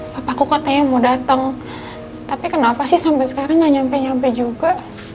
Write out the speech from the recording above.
papa aku katanya mau dateng tapi kenapa sih sampe sekarang gak nyampe nyampe juga